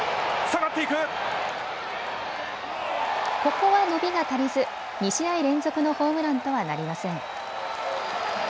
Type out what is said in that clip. ここは伸びが足りず２試合連続のホームランとはなりません。